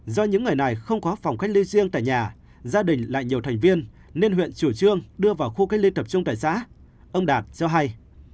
do những người này không có phòng cách ly riêng tại nhà gia đình lại nhiều thành viên nên huyện chủ trương đưa vào khu cách ly tập trung tại xã ông đạt cho hay